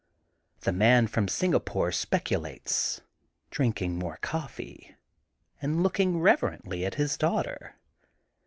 The Man from Singapore speculates, drink ing more coffee, and looking reverently at his daughter.